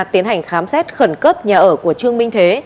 tiến hành khám xét khẩn cấp nhà ở của trương minh thế